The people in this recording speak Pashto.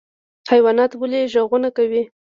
حیوانات ولې غږونه کوي؟